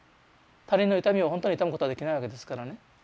他人の痛みを本当に痛むことはできないわけですからね。